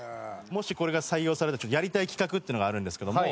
もしこれが採用されたらやりたい企画っていうのがあるんですけども。